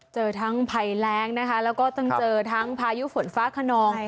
เจอทั้งภัยแรงนะคะแล้วก็ต้องเจอทั้งพายุฝนฟ้าขนอง